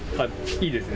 いいですね。